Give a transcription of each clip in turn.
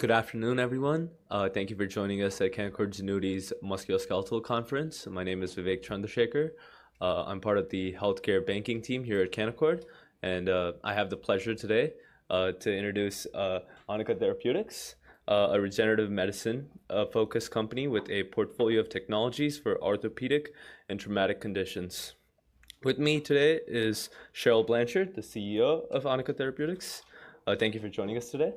Good afternoon, everyone. Thank you for joining us at Canaccord Genuity's Musculoskeletal Conference. My name is Vivek Chandrasekar. I'm part of the healthcare banking team here at Canaccord, and I have the pleasure today to introduce Anika Therapeutics, a regenerative medicine-focused company with a portfolio of technologies for orthopedic and traumatic conditions. With me today is Cheryl Blanchard, the CEO of Anika Therapeutics. Thank you for joining us today.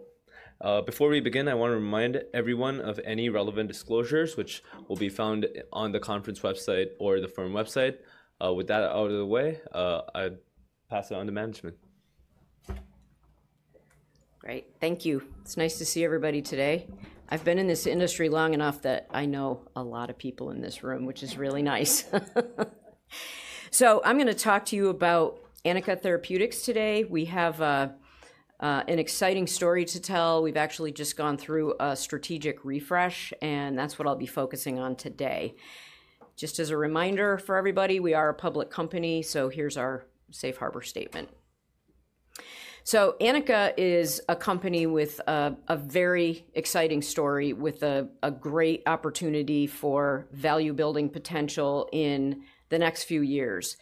Before we begin, I want to remind everyone of any relevant disclosures, which will be found on the conference website or the firm website. With that out of the way, I'll pass it on to management. Great. Thank you. It's nice to see everybody today. I've been in this industry long enough that I know a lot of people in this room, which is really nice. I'm going to talk to you about Anika Therapeutics today. We have an exciting story to tell. We've actually just gone through a strategic refresh, and that's what I'll be focusing on today. Just as a reminder for everybody, we are a public company, so here's our safe harbor statement. Anika is a company with a very exciting story, with a great opportunity for value-building potential in the next few years.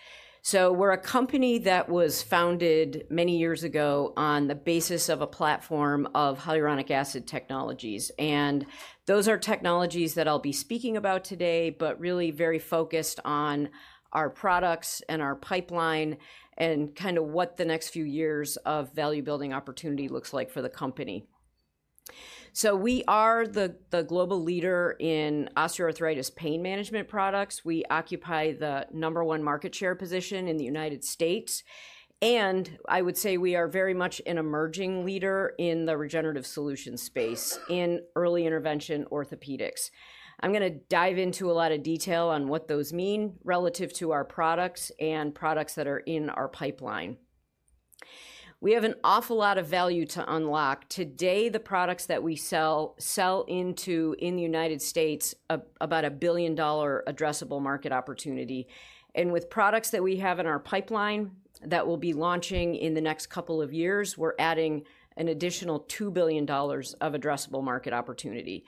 We're a company that was founded many years ago on the basis of a platform of hyaluronic acid technologies. Those are technologies that I'll be speaking about today, but really very focused on our products and our pipeline and kind of what the next few years of value-building opportunity looks like for the company. We are the global leader in osteoarthritis pain management products. We occupy the number one market share position in the United States. I would say we are very much an emerging leader in the regenerative solutions space in early intervention orthopedics. I'm going to dive into a lot of detail on what those mean relative to our products and products that are in our pipeline. We have an awful lot of value to unlock. Today, the products that we sell sell into in the United States about a $1 billion addressable market opportunity. With products that we have in our pipeline that we'll be launching in the next couple of years, we're adding an additional $2 billion of addressable market opportunity.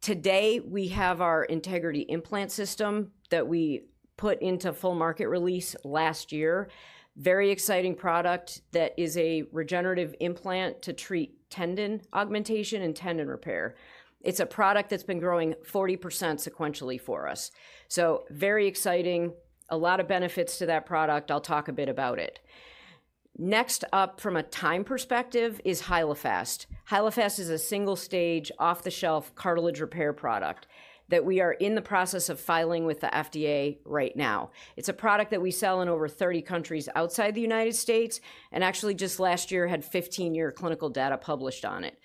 Today, we have our Integrity Implant System that we put into full market release last year. Very exciting product that is a regenerative implant to treat tendon augmentation and tendon repair. It's a product that's been growing 40% sequentially for us. Very exciting, a lot of benefits to that product. I'll talk a bit about it. Next up from a time perspective is Hyalofast. Hyalofast is a single-stage off-the-shelf cartilage repair product that we are in the process of filing with the FDA right now. It's a product that we sell in over 30 countries outside the United States and actually just last year had 15-year clinical data published on it.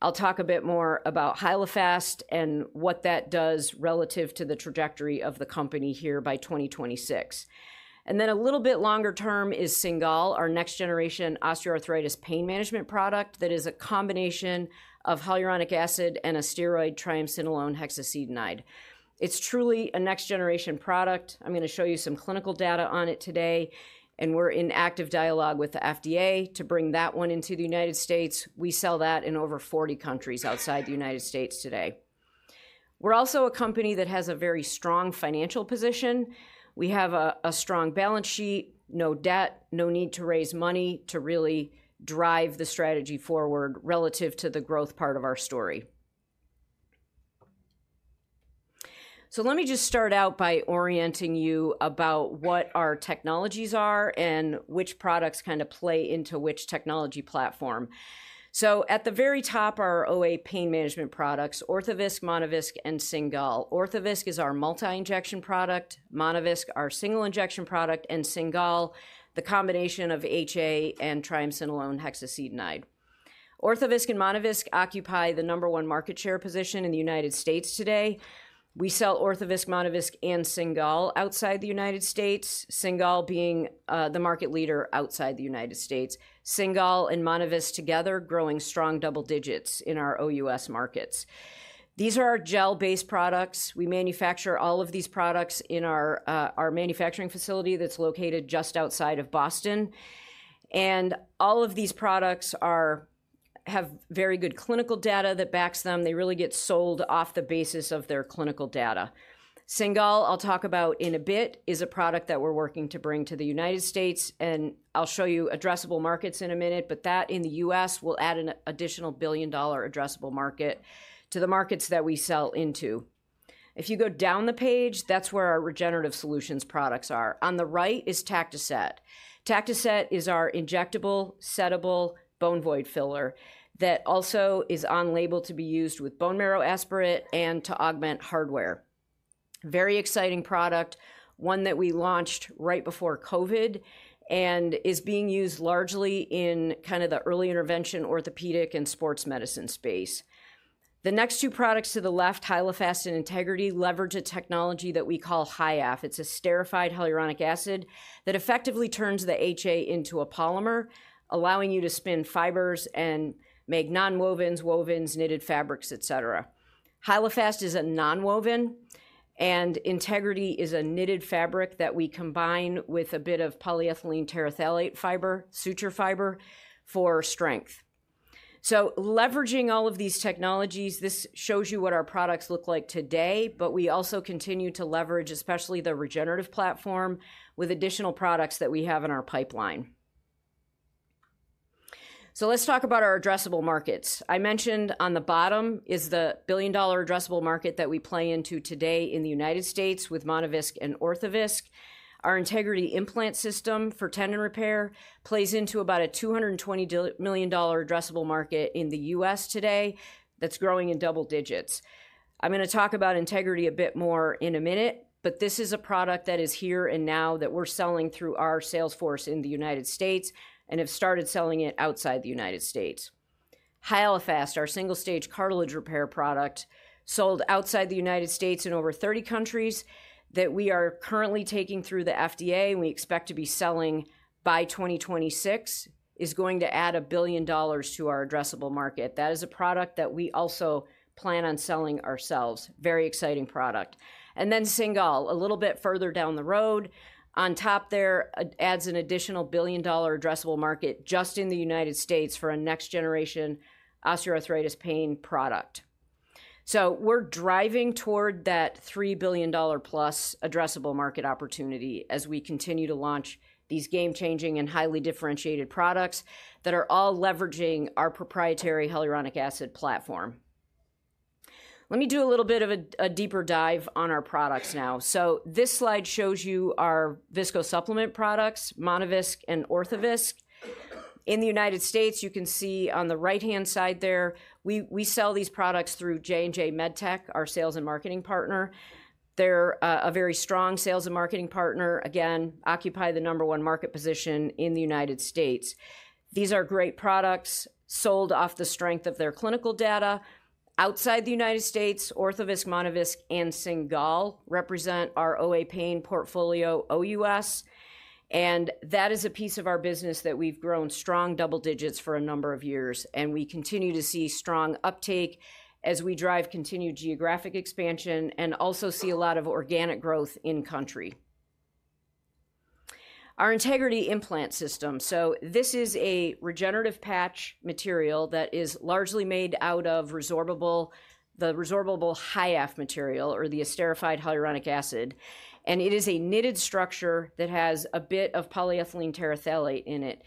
I'll talk a bit more about Hyalofast and what that does relative to the trajectory of the company here by 2026. A little bit longer term is Cingal, our next-generation osteoarthritis pain management product that is a combination of hyaluronic acid and a steroid, triamcinolone hexacetonide. It's truly a next-generation product. I'm going to show you some clinical data on it today. We're in active dialogue with the FDA to bring that one into the U.S. We sell that in over 40 countries outside the U.S. today. We're also a company that has a very strong financial position. We have a strong balance sheet, no debt, no need to raise money to really drive the strategy forward relative to the growth part of our story. Let me just start out by orienting you about what our technologies are and which products kind of play into which technology platform. At the very top are OA pain management products: Orthovisc, Monovisc, and Cingal. Orthovisc is our multi-injection product. Monovisc, our single-injection product. And Cingal, the combination of HA and triamcinolone hexacetonide. Orthovisc and Monovisc occupy the number one market share position in the United States today. We sell Orthovisc, Monovisc, and Cingal outside the United States, Cingal being the market leader outside the United States. Cingal and Monovisc together growing strong double digits in our OUS markets. These are our gel-based products. We manufacture all of these products in our manufacturing facility that's located just outside of Boston. All of these products have very good clinical data that backs them. They really get sold off the basis of their clinical data. Cingal, I'll talk about in a bit, is a product that we're working to bring to the United States. I'll show you addressable markets in a minute, but that in the U.S. will add an additional billion-dollar addressable market to the markets that we sell into. If you go down the page, that's where our regenerative solutions products are. On the right is Tactoset. Tactoset is our injectable, settable bone void filler that also is on label to be used with bone marrow aspirate and to augment hardware. Very exciting product, one that we launched right before COVID and is being used largely in kind of the early intervention orthopedic and sports medicine space. The next two products to the left, Hyalofast and Integrity, leverage a technology that we call HYAFF. It's a esterified hyaluronic acid that effectively turns the HA into a polymer, allowing you to spin fibers and make non-wovens, wovens, knitted fabrics, et cetera. Hyalofast is a non-woven, and Integrity is a knitted fabric that we combine with a bit of polyethylene terephthalate fiber, suture fiber for strength. Leveraging all of these technologies, this shows you what our products look like today, but we also continue to leverage, especially the regenerative platform, with additional products that we have in our pipeline. Let's talk about our addressable markets. I mentioned on the bottom is the billion-dollar addressable market that we play into today in the United States with Monovisc and Orthovisc. Our Integrity Implant System for tendon repair plays into about a $220 million addressable market in the U.S. today that's growing in double digits. I'm going to talk about Integrity a bit more in a minute, but this is a product that is here and now that we're selling through our sales force in the United States and have started selling it outside the United States. Hyalofast, our single-stage cartilage repair product, sold outside the United States in over 30 countries that we are currently taking through the FDA and we expect to be selling by 2026, is going to add $1 billion to our addressable market. That is a product that we also plan on selling ourselves. Very exciting product. And then Cingal, a little bit further down the road, on top there, adds an additional $1 billion addressable market just in the United States for a next-generation osteoarthritis pain product. We're driving toward that $3+ billion addressable market opportunity as we continue to launch these game-changing and highly differentiated products that are all leveraging our proprietary hyaluronic acid platform. Let me do a little bit of a deeper dive on our products now. This slide shows you our viscosupplement products, Monovisc and Orthovisc. In the United States, you can see on the right-hand side there, we sell these products through J&J MedTech, our sales and marketing partner. They're a very strong sales and marketing partner, again, occupy the number one market position in the United States. These are great products sold off the strength of their clinical data. Outside the United States, Orthovisc, Monovisc, and Cingal represent our OA pain portfolio OUS. That is a piece of our business that we've grown strong double digits for a number of years. We continue to see strong uptake as we drive continued geographic expansion and also see a lot of organic growth in country. Our Integrity Implant System, this is a regenerative patch material that is largely made out of the resorbable HYAFF material or the esterified hyaluronic acid. It is a knitted structure that has a bit of polyethylene terephthalate in it.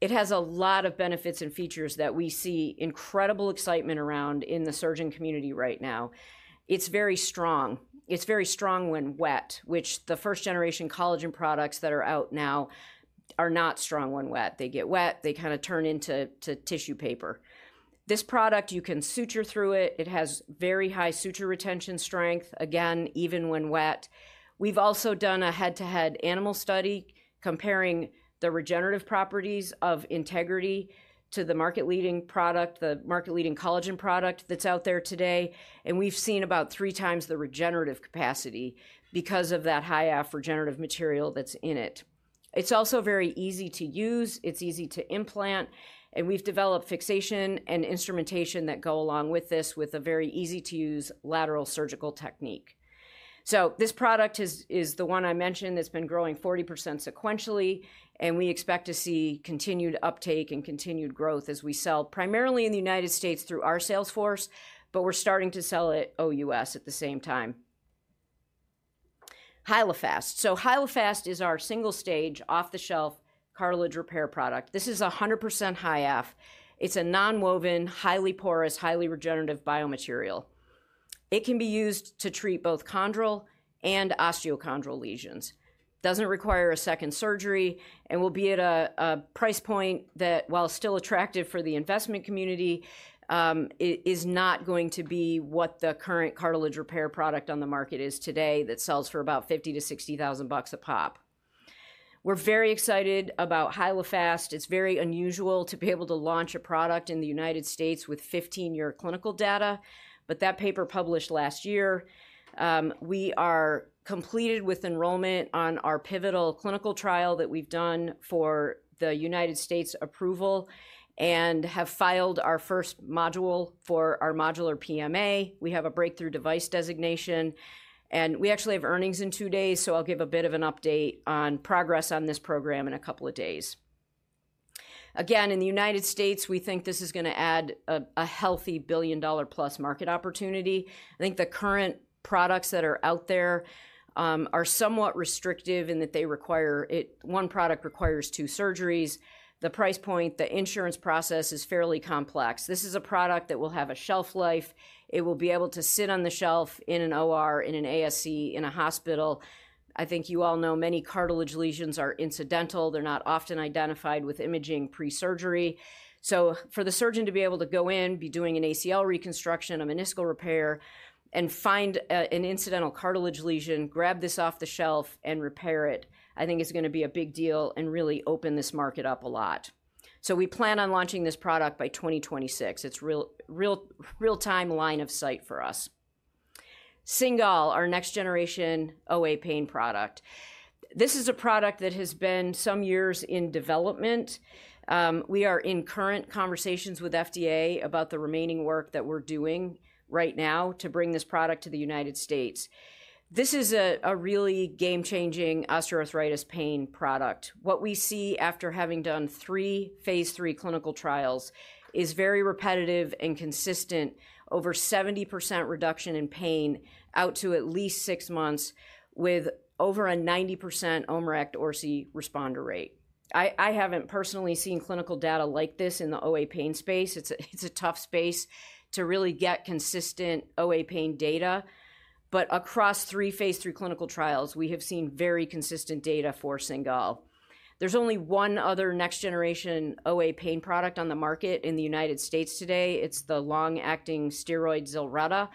It has a lot of benefits and features that we see incredible excitement around in the surgeon community right now. It is very strong. It is very strong when wet, which the first-generation collagen products that are out now are not strong when wet. They get wet, they kind of turn into tissue paper. This product, you can suture through it. It has very high suture retention strength, again, even when wet. We've also done a head-to-head animal study comparing the regenerative properties of Integrity to the market-leading product, the market-leading collagen product that's out there today. We've seen about three times the regenerative capacity because of that HYAFF regenerative material that's in it. It's also very easy to use. It's easy to implant. We've developed fixation and instrumentation that go along with this with a very easy-to-use lateral surgical technique. This product is the one I mentioned that's been growing 40% sequentially. We expect to see continued uptake and continued growth as we sell primarily in the United States through our sales force, but we're starting to sell it OUS at the same time. Hyalofast. Hyalofast is our single-stage off-the-shelf cartilage repair product. This is 100% HYAFF. It's a non-woven, highly porous, highly regenerative biomaterial. It can be used to treat both chondral and osteochondral lesions. Doesn't require a second surgery and will be at a price point that, while still attractive for the investment community, is not going to be what the current cartilage repair product on the market is today that sells for about $50,000-$60,000 a pop. We're very excited about Hyalofast. It's very unusual to be able to launch a product in the United States with 15-year clinical data, but that paper published last year. We are completed with enrollment on our pivotal clinical trial that we've done for the United States approval and have filed our first module for our modular PMA. We have a Breakthrough Device Designation. We actually have earnings in two days, so I'll give a bit of an update on progress on this program in a couple of days. Again, in the United States, we think this is going to add a healthy $1 billion-plus market opportunity. I think the current products that are out there are somewhat restrictive in that one product requires two surgeries. The price point, the insurance process is fairly complex. This is a product that will have a shelf life. It will be able to sit on the shelf in an OR, in an ASC, in a hospital. I think you all know many cartilage lesions are incidental. They're not often identified with imaging pre-surgery. For the surgeon to be able to go in, be doing an ACL reconstruction, a meniscal repair, and find an incidental cartilage lesion, grab this off the shelf and repair it, I think is going to be a big deal and really open this market up a lot. We plan on launching this product by 2026. It's a real-time line of sight for us. Cingal, our next-generation OA pain product. This is a product that has been some years in development. We are in current conversations with FDA about the remaining work that we're doing right now to bring this product to the United States. This is a really game-changing osteoarthritis pain product. What we see after having done three phase III clinical trials is very repetitive and consistent, over 70% reduction in pain out to at least six months with over a 90% OMERACT-OARSI responder rate. I haven't personally seen clinical data like this in the OA pain space. It's a tough space to really get consistent OA pain data. Across three phase III clinical trials, we have seen very consistent data for Cingal. There's only one other next-generation OA pain product on the market in the United States today. It's the long-acting steroid Zilretta.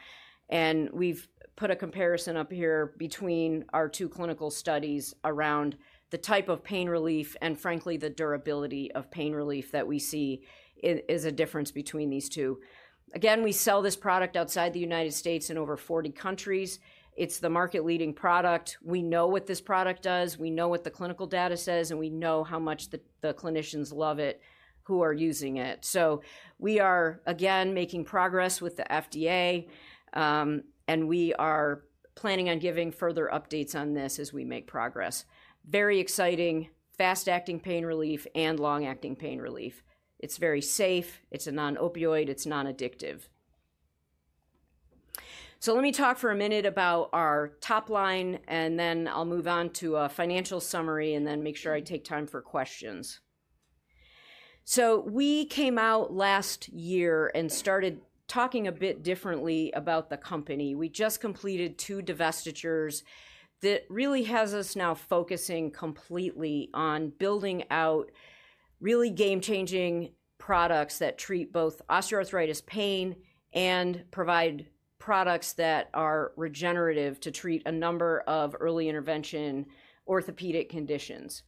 We have put a comparison up here between our two clinical studies around the type of pain relief and, frankly, the durability of pain relief that we see is a difference between these two. We sell this product outside the United States in over 40 countries. It's the market-leading product. We know what this product does. We know what the clinical data says, and we know how much the clinicians love it who are using it. We are making progress with the FDA, and we are planning on giving further updates on this as we make progress. Very exciting, fast-acting pain relief and long-acting pain relief. It's very safe. It's a non-opioid. It's non-addictive. Let me talk for a minute about our top line, and then I'll move on to a financial summary and then make sure I take time for questions. We came out last year and started talking a bit differently about the company. We just completed two divestitures that really have us now focusing completely on building out really game-changing products that treat both osteoarthritis pain and provide products that are regenerative to treat a number of early intervention orthopedic conditions.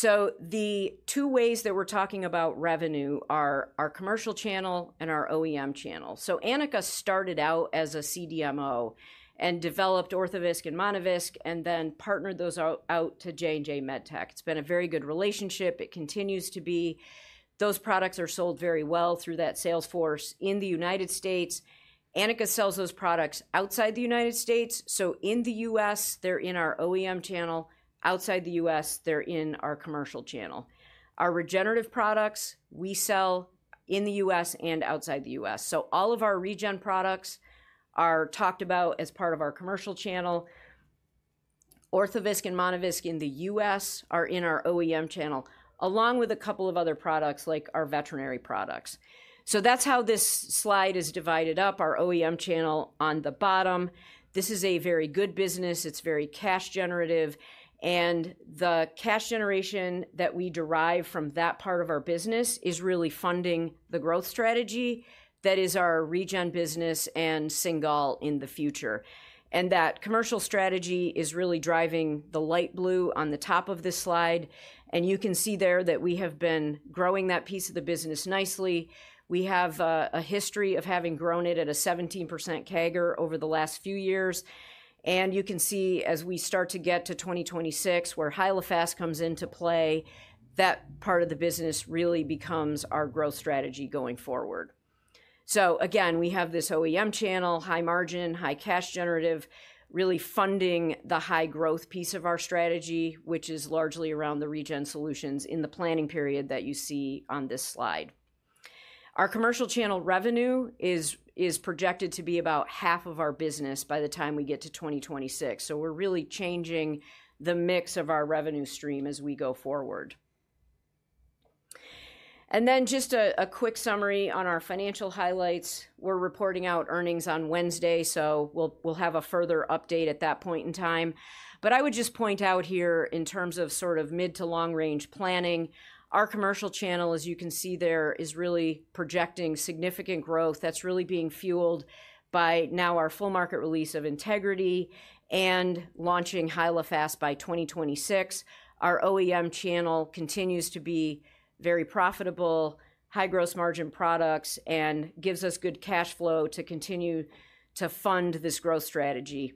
The two ways that we're talking about revenue are our commercial channel and our OEM channel. Anika started out as a CDMO and developed Orthovisc and Monovisc and then partnered those out to J&J MedTech. It's been a very good relationship. It continues to be. Those products are sold very well through that sales force in the United States. Anika sells those products outside the United States, so in the U.S., they're in our OEM channel. Outside the U.S., they're in our commercial channel. Our regenerative products, we sell in the U.S. and outside the U.S. All of our regen products are talked about as part of our commercial channel. Orthovisc and Monovisc in the U.S. are in our OEM channel, along with a couple of other products like our veterinary products. That's how this slide is divided up. Our OEM channel on the bottom. This is a very good business. It's very cash generative. The cash generation that we derive from that part of our business is really funding the growth strategy that is our regen business and Cingal in the future. That commercial strategy is really driving the light blue on the top of this slide. You can see there that we have been growing that piece of the business nicely. We have a history of having grown it at a 17% CAGR over the last few years. You can see as we start to get to 2026, where Hyalofast comes into play, that part of the business really becomes our growth strategy going forward. We have this OEM channel, high margin, high cash generative, really funding the high growth piece of our strategy, which is largely around the regen solutions in the planning period that you see on this slide. Our commercial channel revenue is projected to be about half of our business by the time we get to 2026. We are really changing the mix of our revenue stream as we go forward. Just a quick summary on our financial highlights. We're reporting out earnings on Wednesday, so we'll have a further update at that point in time. I would just point out here in terms of sort of mid to long-range planning, our commercial channel, as you can see there, is really projecting significant growth. That's really being fueled by now our full market release of Integrity and launching Hyalofast by 2026. Our OEM channel continues to be very profitable, high gross margin products, and gives us good cash flow to continue to fund this growth strategy.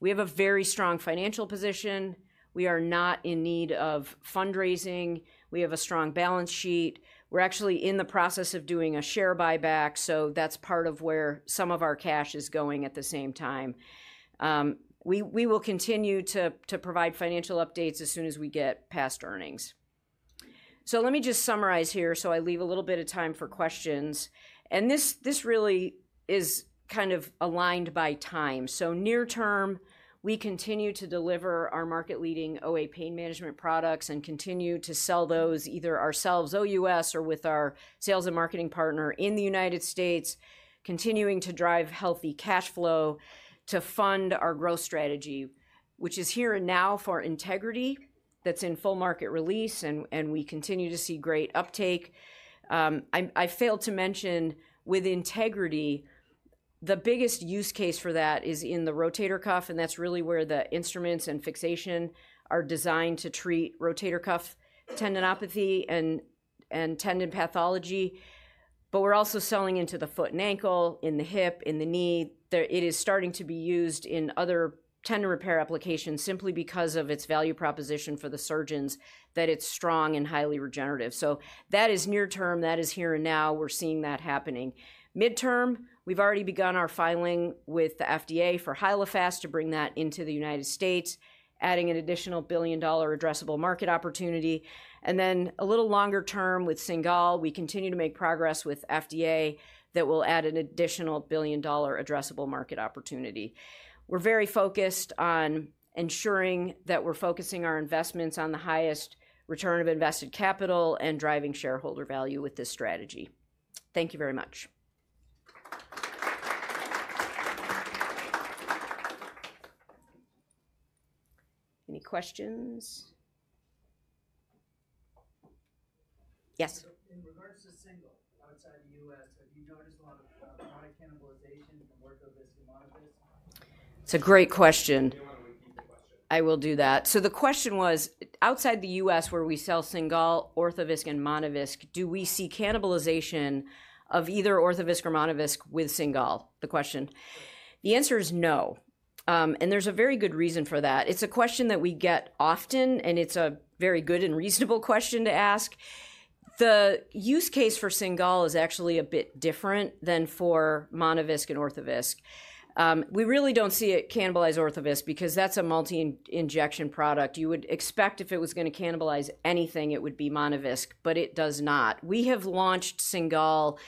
We have a very strong financial position. We are not in need of fundraising. We have a strong balance sheet. We're actually in the process of doing a share buyback, so that's part of where some of our cash is going at the same time. We will continue to provide financial updates as soon as we get past earnings. Let me just summarize here so I leave a little bit of time for questions. This really is kind of aligned by time. Near term, we continue to deliver our market-leading OA pain management products and continue to sell those either ourselves OUS or with our sales and marketing partner in the United States, continuing to drive healthy cash flow to fund our growth strategy, which is here and now. For Integrity, that's in full market release, and we continue to see great uptake. I failed to mention with Integrity, the biggest use case for that is in the rotator cuff, and that's really where the instruments and fixation are designed to treat rotator cuff tendinopathy and tendon pathology. We are also selling into the foot and ankle, in the hip, in the knee. It is starting to be used in other tendon repair applications simply because of its value proposition for the surgeons that it's strong and highly regenerative. That is near term. That is here and now. We're seeing that happening. Midterm, we've already begun our filing with the FDA for Hyalofast to bring that into the United States, adding an additional $1 billion addressable market opportunity. A little longer term with Cingal, we continue to make progress with FDA that will add an additional $1 billion addressable market opportunity. We're very focused on ensuring that we're focusing our investments on the highest return of invested capital and driving shareholder value with this strategy. Thank you very much. Any questions? Yes. In regards to Cingal outside the U.S., have you noticed a lot of product cannibalization from Orthovisc and Monovisc? It's a great question. I will do that. The question was, outside the U.S. where we sell Cingal, Orthovisc, and Monovisc, do we see cannibalization of either Orthovisc or Monovisc with Cingal? The answer is no. And there's a very good reason for that. It's a question that we get often, and it's a very good and reasonable question to ask. The use case for Cingal is actually a bit different than for Monovisc and Orthovisc. We really don't see it cannibalize Orthovisc because that's a multi-injection product. You would expect if it was going to cannibalize anything, it would be Monovisc, but it does not. We have launched Cingal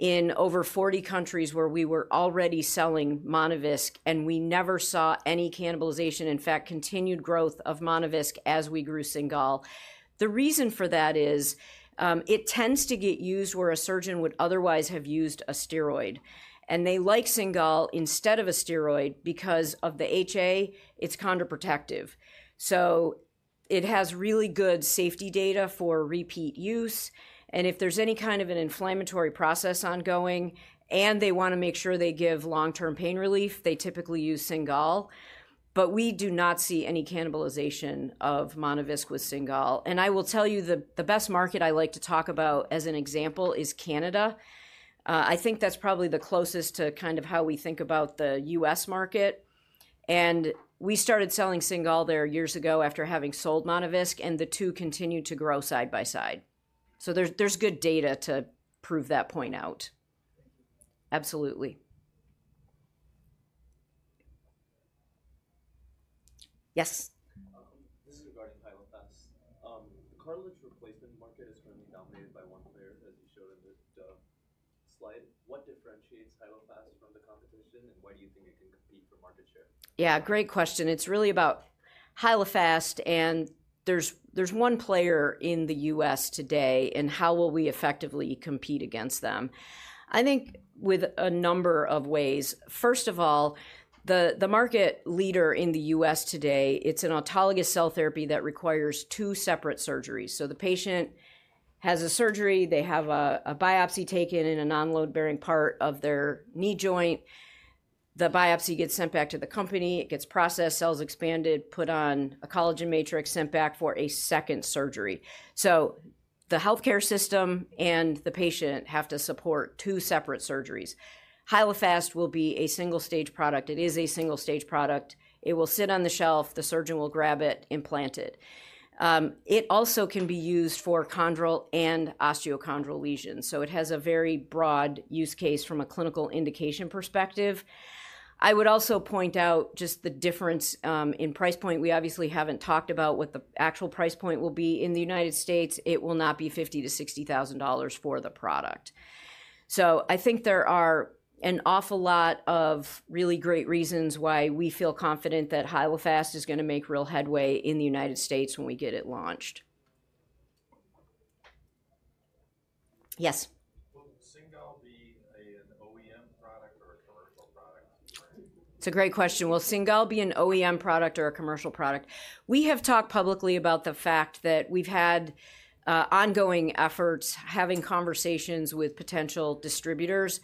in over 40 countries where we were already selling Monovisc, and we never saw any cannibalization, in fact, continued growth of Monovisc as we grew Cingal. The reason for that is it tends to get used where a surgeon would otherwise have used a steroid. They like Cingal instead of a steroid because of the HA, it's chondroprotective. It has really good safety data for repeat use. If there's any kind of an inflammatory process ongoing and they want to make sure they give long-term pain relief, they typically use Cingal. We do not see any cannibalization of Monovisc with Cingal. I will tell you the best market I like to talk about as an example is Canada. I think that's probably the closest to kind of how we think about the U.S. market. We started selling Cingal there years ago after having sold Monovisc, and the two continue to grow side by side. There's good data to prove that point out. Absolutely. Yes. This is regarding Hyalofast. The cartilage replacement market is currently dominated by one player, as you showed in the slide. What differentiates Hyalofast from the competition, and why do you think it can compete for market share? Yeah, great question. It's really about Hyalofast, and there's one player in the U.S. today, and how will we effectively compete against them? I think with a number of ways. First of all, the market leader in the U.S. today, it's an autologous cell therapy that requires two separate surgeries. The patient has a surgery. They have a biopsy taken in a non-load-bearing part of their knee joint. The biopsy gets sent back to the company. It gets processed, cells expanded, put on a collagen matrix, sent back for a second surgery. The healthcare system and the patient have to support two separate surgeries. Hyalofast will be a single-stage product. It is a single-stage product. It will sit on the shelf. The surgeon will grab it, implant it. It also can be used for chondral and osteochondral lesions. It has a very broad use case from a clinical indication perspective. I would also point out just the difference in price point. We obviously have not talked about what the actual price point will be in the United States. It will not be $50,000-$60,000 for the product. I think there are an awful lot of really great reasons why we feel confident that Hyalofast is going to make real headway in the United States when we get it launched. Yes. Will Cingal be an OEM product or a commercial product? It is a great question. Will Cingal be an OEM product or a commercial product? We have talked publicly about the fact that we have had ongoing efforts having conversations with potential distributors.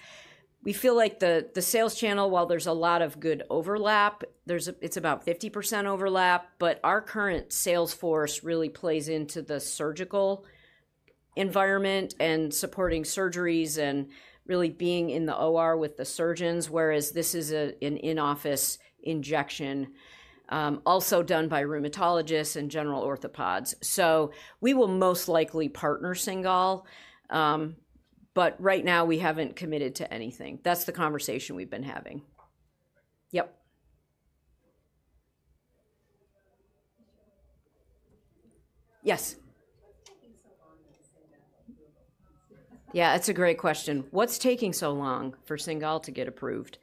We feel like the sales channel, while there's a lot of good overlap, it's about 50% overlap, but our current sales force really plays into the surgical environment and supporting surgeries and really being in the OR with the surgeons, whereas this is an in-office injection also done by rheumatologists and general orthopods. We will most likely partner Cingal, but right now we haven't committed to anything. That's the conversation we've been having. Yes. Yeah, that's a great question. What's taking so long for Cingal to get approved?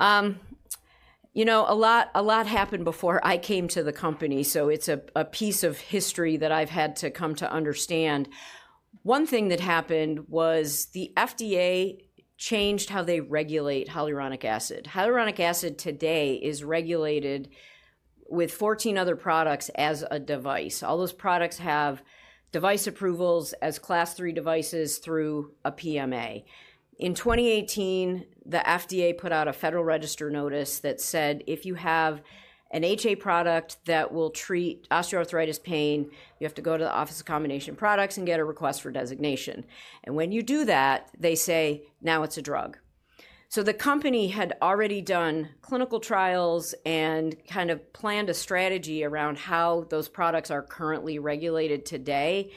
You know, a lot happened before I came to the company, so it's a piece of history that I've had to come to understand. One thing that happened was the FDA changed how they regulate hyaluronic acid. Hyaluronic acid today is regulated with 14 other products as a device. All those products have device approvals as Class III devices through a PMA. In 2018, the FDA put out a Federal Register notice that said if you have an HA product that will treat osteoarthritis pain, you have to go to the Office of Combination Products and get a request for designation. When you do that, they say, "Now it's a drug." The company had already done clinical trials and kind of planned a strategy around how those products are currently regulated today,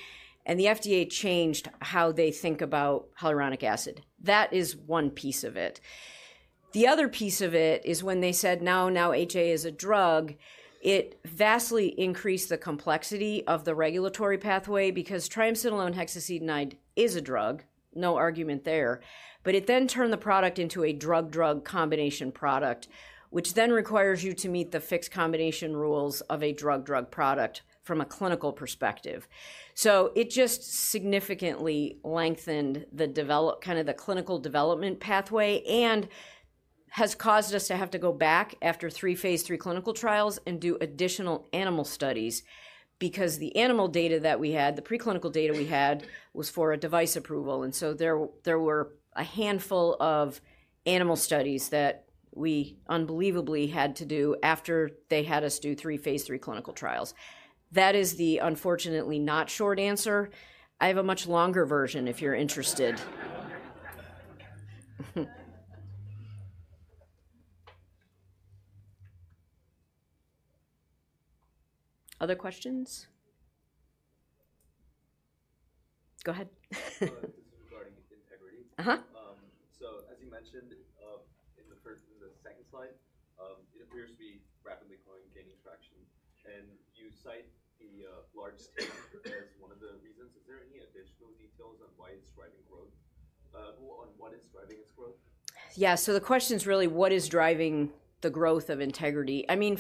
and the FDA changed how they think about hyaluronic acid. That is one piece of it. The other piece of it is when they said, "Now, now HA is a drug," it vastly increased the complexity of the regulatory pathway because triamcinolone hexacetonide is a drug, no argument there. It then turned the product into a drug-drug combination product, which then requires you to meet the fixed combination rules of a drug-drug product from a clinical perspective. It just significantly lengthened the kind of clinical development pathway and has caused us to have to go back after three phase III clinical trials and do additional animal studies because the animal data that we had, the preclinical data we had, was for a device approval. There were a handful of animal studies that we unbelievably had to do after they had us do three phase III clinical trials. That is the unfortunately not short answer. I have a much longer version if you're interested. Other questions? Go ahead. This is regarding Integrity. As you mentioned in the second slide, it appears to be rapidly gaining traction. You cite the large stake as one of the reasons. Is there any additional details on why it's driving growth? On what is driving its growth? Yeah. The question is really, what is driving the growth of Integrity? I mean,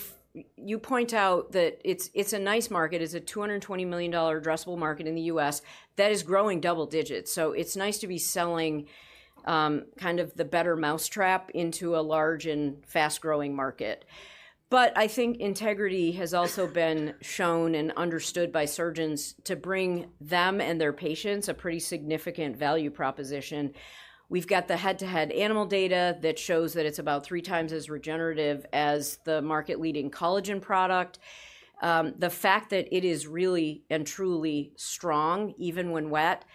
you point out that it's a nice market. It's a $220 million addressable market in the U.S. that is growing double digits. It's nice to be selling kind of the better mousetrap into a large and fast-growing market. I think Integrity has also been shown and understood by surgeons to bring them and their patients a pretty significant value proposition. We've got the head-to-head animal data that shows that it's about three times as regenerative as the market-leading collagen product. The fact that it is really and truly strong even when wet.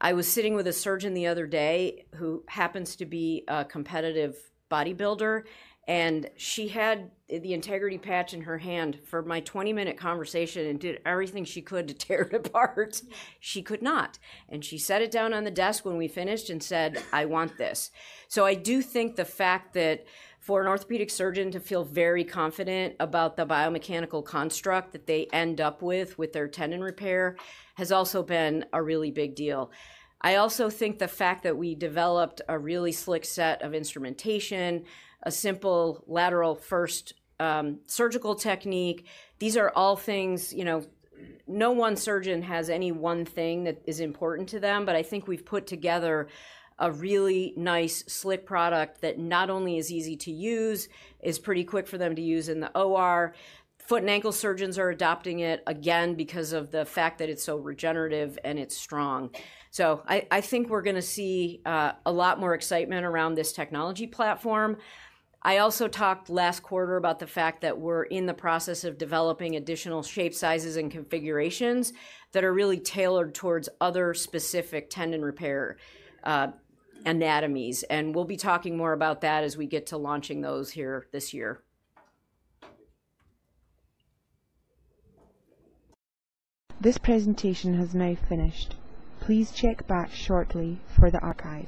I was sitting with a surgeon the other day who happens to be a competitive bodybuilder, and she had the Integrity patch in her hand for my 20-minute conversation and did everything she could to tear it apart. She could not. She sat it down on the desk when we finished and said, "I want this." I do think the fact that for an orthopedic surgeon to feel very confident about the biomechanical construct that they end up with with their tendon repair has also been a really big deal. I also think the fact that we developed a really slick set of instrumentation, a simple lateral-first surgical technique, these are all things no one surgeon has any one thing that is important to them, but I think we've put together a really nice slick product that not only is easy to use, is pretty quick for them to use in the OR. Foot and ankle surgeons are adopting it, again, because of the fact that it's so regenerative and it's strong. I think we're going to see a lot more excitement around this technology platform. I also talked last quarter about the fact that we're in the process of developing additional shapes, sizes, and configurations that are really tailored towards other specific tendon repair anatomies. We'll be talking more about that as we get to launching those here this year. This presentation has now finished. Please check back shortly for the archive.